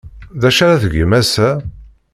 D acu ara tgem ass-a?